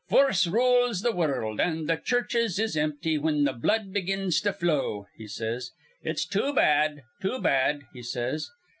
Foorce rules th' wurruld, an' th' churches is empty whin th' blood begins to flow.' he says. 'It's too bad, too bad.' he says.